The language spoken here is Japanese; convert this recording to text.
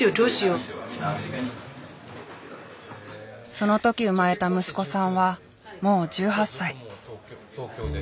その時生まれた息子さんはもう１８歳。